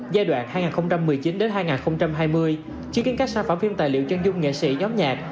giai đoạn hai nghìn một mươi chín hai nghìn hai mươi chi kiến các sản phẩm phim tài liệu chân dung nghệ sĩ nhóm nhạc